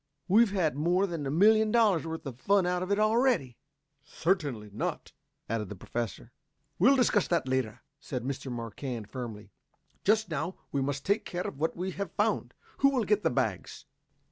"We've had more than a million dollars worth of fun out of it already." "Certainly not," added the Professor. "We'll discuss that later," said Mr. Marquand firmly. "Just now we must take care of what we have found. Who will get the bags?"